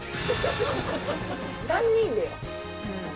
３人でよ？